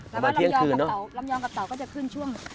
แล้วลำยองกับเต๋าก็จะขึ้นช่วง